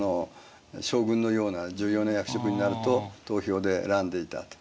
将軍のような重要な役職になると投票で選んでいたと。